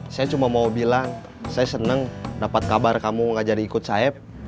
saya cuma mau bilang saya seneng dapat kabar kamu gak jadi ikut sayap